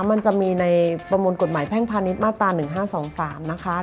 มันจะมีในประมวลกฎหมายแพ่งพาณิชย์มาตรา๑๕๒๓นะคะ